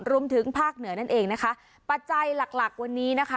รวมถึงภาคเหนือนั่นเองนะคะปัจจัยหลักหลักวันนี้นะคะ